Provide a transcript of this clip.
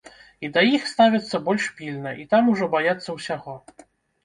І да іх ставяцца больш пільна, і там ужо баяцца ўсяго.